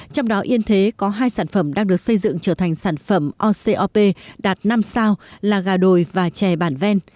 trong đó yên thế có hai sản phẩm đang được xây dựng trở thành sản phẩm ocop đạt năm sao là gà đồi và chè bản ven